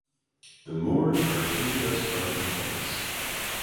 The Moors are sweeping us front and flanks.